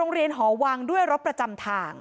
พอครูผู้ชายออกมาช่วยพอครูผู้ชายออกมาช่วย